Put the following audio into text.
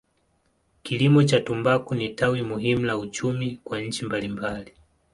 Kilimo cha tumbaku ni tawi muhimu la uchumi kwa nchi mbalimbali.